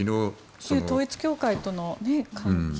旧統一教会との関係。